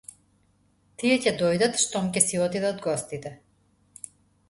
Тие ќе дојдат штом ќе си отидат гостите.